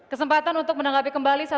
kesempatan untuk menanggapi kembali